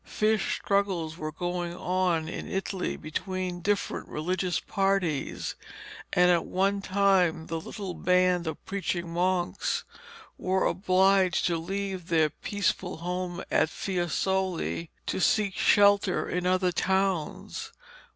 Fierce struggles were going on in Italy between different religious parties, and at one time the little band of preaching monks were obliged to leave their peaceful home at Fiesole to seek shelter in other towns.